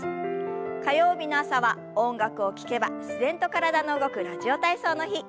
火曜日の朝は音楽を聞けば自然と体の動く「ラジオ体操」の日。